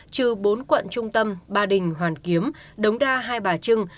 trừ bốn quận trung tâm ba đình hoàn kiếm đống đa hai bà trưng